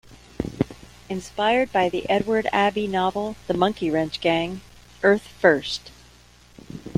Inspired by the Edward Abbey novel "The Monkey Wrench Gang", Earth First!